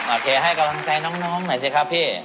โอเคให้กำลังใจน้องหน่อยสิครับพี่